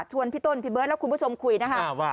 ชวนพี่ต้นพี่เบิ้ลแล้วคุณผู้ชมคุยนะครับ